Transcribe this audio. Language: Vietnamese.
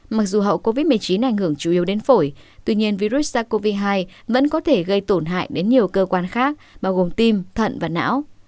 mặc dù hậu covid một mươi chín ảnh hưởng chủ yếu đến phổi tuy nhiên virus sars cov hai vẫn có thể gây tổn hại đến nhiều cơ quan khác bao gồm tim thận và não